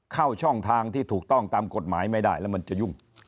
เข้าช่องทางที่ถูกต้องตามกฎหมายไม่ได้แล้วมันจะยุ่ง